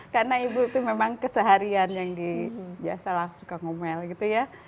karena ibu itu memang keseharian yang biasa lah suka ngomel gitu ya